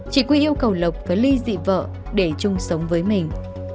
chị quy yêu cầu lộc phải ly dị vợ để chung sống với mình